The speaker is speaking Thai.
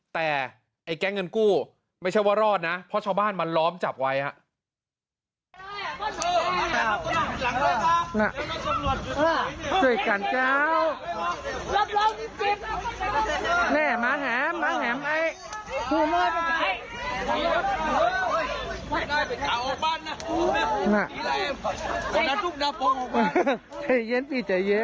แต่ไอ้แก๊งเงินกู้ไม่ใช่ว่ารอดนะเพราะชาวบ้านมาล้อมจับไว้ครับ